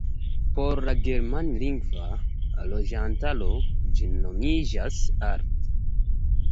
Por la germanlingva loĝantaro ĝi nomiĝas "Alt".